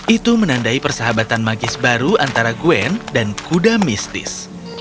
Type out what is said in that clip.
itu menandai persahabatan magis baru antara gwen dan kuda mistis